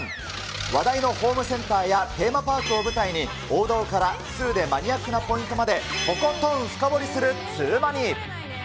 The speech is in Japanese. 話題のホームセンターやテーマパークを舞台に、王道からツウでマニアックなポイントまで、とことん深掘りするツウマニ。